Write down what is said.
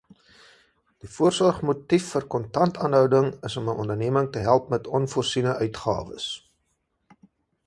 Die voorsorgmotief vir kontantaanhouding is om 'n onderneming te help met onvoorsiene uitgawes.